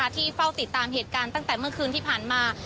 ที่เฝ้าติดตามเหตุการณ์ตั้งแต่เมื่อคืนที่ผ่านมา